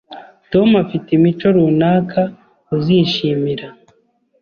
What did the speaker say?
Tom afite imico runaka uzishimira